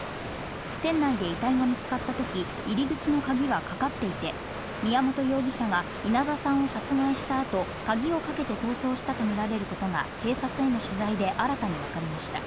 店内で遺体が見つかったとき、入口の鍵はかかっていて、宮本容疑者が稲田さんを殺害した後、鍵をかけて逃走したとみられることが警察への取材で新たにわかりました。